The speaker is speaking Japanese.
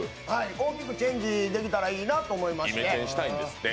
大きくチェンジできたらいいなと思って。